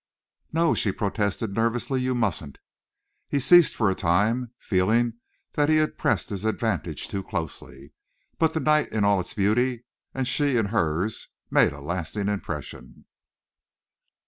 "No," she protested, nervously. "You mustn't." He ceased for a time, feeling that he had pressed his advantage too closely. But the night in all its beauty, and she in hers made a lasting impression.